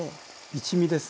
一味です。